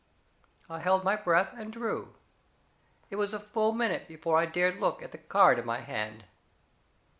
I held my breath, and drew. It was a full minute before I dared look at the card in my hand.